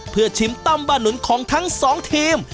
เพื่อชิมตั้มบ้านหนุนของทั้งสองทีม